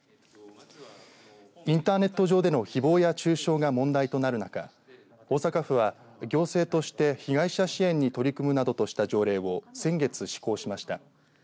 インターネット上でのひぼうや中傷が問題となる中大阪府は、行政として被害者支援に取り組むなどとした条例を先月、施行しました。